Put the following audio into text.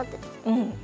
うん。